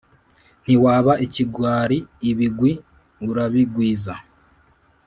ntiwaba ikigwari ibigwi urabigwiza